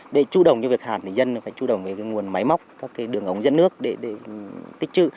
để chủ động việc hạn dân phải chủ động nguồn máy móc đường ống dân nước để tích trự